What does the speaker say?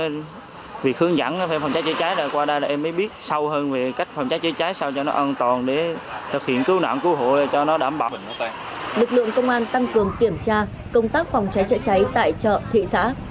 lực lượng công an tăng cường kiểm tra công tác phòng cháy cháy cháy tại chợ thụy xã